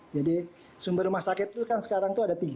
jadi sumber rumah sakit itu kan sekarang itu ada tinggi